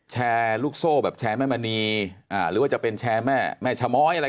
แชร์ลูกโซ่แบบแชร์แม่มณีหรือว่าจะเป็นแชร์แม่แม่ชะม้อยอะไร